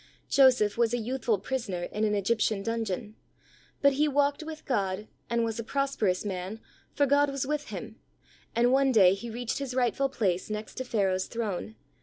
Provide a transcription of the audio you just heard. Joseph was a youthful prisoner in an Egyptian dungeon, but he walked with God, and was "a prosperous man/' for God was with him, and one day he reached his rightful place next to Pharaoh's throne.